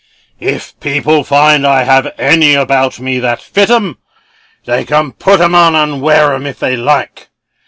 If people find I have any about me that fit 'em, they can put 'em on and wear 'em, if they like.